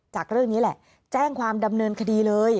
จากเรื่องนี้แหละแจ้งความดำเนินคดีเลย